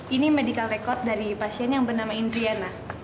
ini medical record dari pasien yang bernama indriana